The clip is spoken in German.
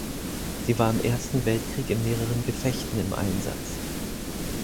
Sie war im Ersten Weltkrieg in mehreren Gefechten im Einsatz.